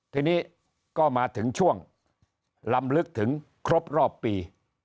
ทีนี้ก็มาถึงช่วงลำลึกถึงครบรอบปี